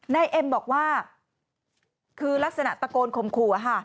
นายเอ็มบอกว่าคือลักษณะตะโกนข่มขู่ค่ะ